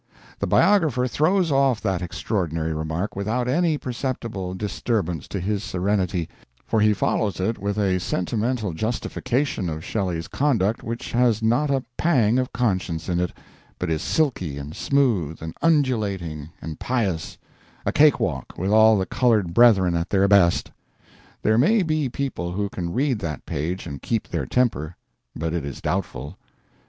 The biographer throws off that extraordinary remark without any perceptible disturbance to his serenity; for he follows it with a sentimental justification of Shelley's conduct which has not a pang of conscience in it, but is silky and smooth and undulating and pious a cake walk with all the colored brethren at their best. There may be people who can read that page and keep their temper, but it is doubtful.